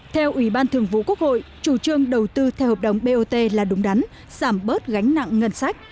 theo ủy ban thường vụ quốc hội chủ trương đầu tư theo hợp đồng bot là đúng đắn giảm bớt gánh nặng ngân sách